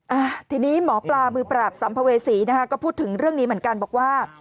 อ่าทีนี้หมอปลามือปราบสัมภเวษีนะคะก็พูดถึงเรื่องนี้เหมือนกันบอกว่า